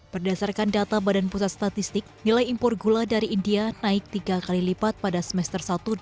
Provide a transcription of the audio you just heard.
berdasarkan data badan pusat statistik nilai impor gula dari india naik tiga kali lipat pada semester satu tahun